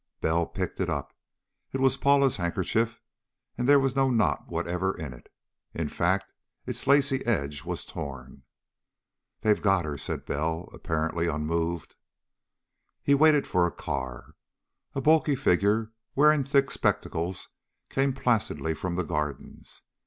Bell picked it up. It was Paula's handkerchief, and there was no knot whatever in it. In fact, its lacy edge was torn. "They've got her," said Bell, apparently unmoved. He waited for a car. A bulky figure wearing thick spectacles came placidly from the Gardens.